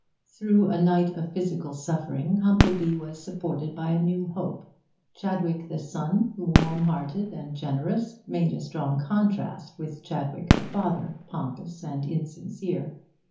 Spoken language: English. Through a night of physical suffering Humplebee was supported by a new hope. Chadwick the son, warm hearted and generous, made a strong contrast with Chadwick the father, pompous and insincere.